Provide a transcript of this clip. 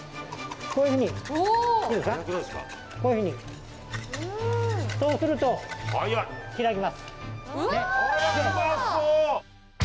こういうふうにそうすると開きます速いうわ！